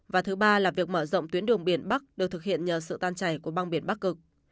và thứ ba là việc mở rộng tuyến đường biển bắc được thực hiện nhờ sự tan chảy của băng biển bắc cực